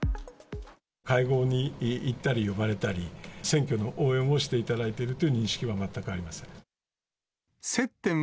会合に行ったり呼ばれたり、選挙の応援をしていただいているという認識は全くありません。